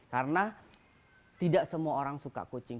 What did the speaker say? karena tidak semua orang suka kucing